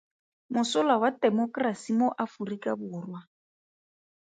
Mosola wa Temokerasi mo Aforika Borwa.